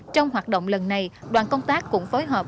trong hoạt động lần này đoàn công tác cũng phối hợp